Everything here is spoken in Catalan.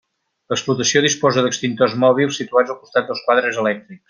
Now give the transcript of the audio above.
L'explotació disposa d'extintors mòbils situats al costat dels quadres elèctrics.